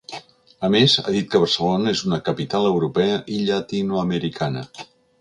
A més, ha dit que Barcelona és una ‘capital europea i llatinoamericana’.